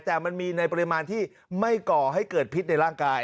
แต่มันมีในปริมาณที่ไม่ก่อให้เกิดพิษในร่างกาย